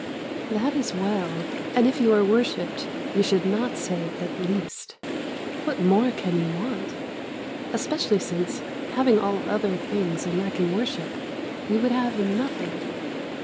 That is well, and if you are worshipped you should not say "at least." What more can you want? Especially since, having all other things and lacking worship, you would have nothing.